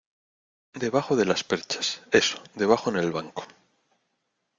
debajo de las perchas. eso, debajo en el banco .